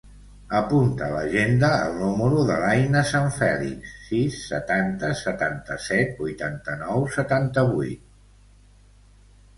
Apunta a l'agenda el número de l'Aïna Sanfelix: sis, setanta, setanta-set, vuitanta-nou, setanta-vuit.